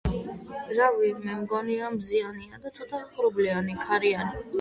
რავი მე მგონია ცოტა მზიანია და ცოტა ღრუბლიანი, ქარიანი.